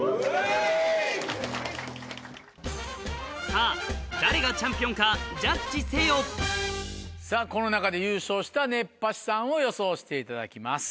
さぁ誰がチャンピオンかジャッジせよさぁこの中で優勝した熱波師さんを予想していただきます。